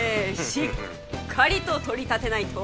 しっかりと取り立てないと！